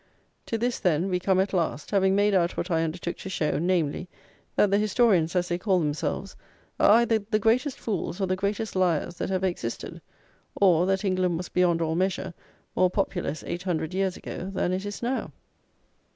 To this, then, we come at last: having made out what I undertook to show; namely, that the historians, as they call themselves, are either the greatest fools or the greatest liars that ever existed, or that England was beyond all measure more populous eight hundred years ago than it is now.